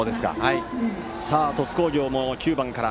さあ、鳥栖工業も９番から。